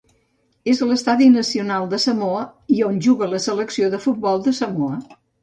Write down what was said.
És l'estadi nacional de Samoa i on juga la selecció de futbol de Samoa.